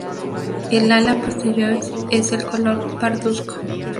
El ala posterior es el color pardusco.